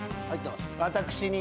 私に。